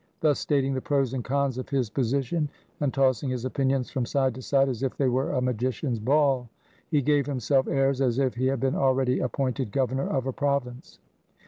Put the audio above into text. Thus stating the pros and cons of his position and tossing his opinions from side to side as if they were a magician's ball, he gave himself airs as if he had been already appointed governor of a province.